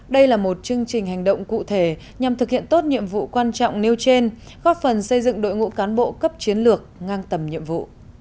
đây là một chương trình hành động cụ thể nhằm thực hiện tốt nhiệm vụ quan trọng nêu trên góp phần xây dựng đội ngũ cán bộ cấp chiến lược ngang tầm nhiệm vụ